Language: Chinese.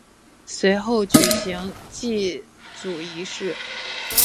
随后举行祭祖仪式。